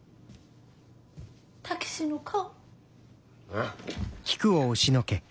武志の顔。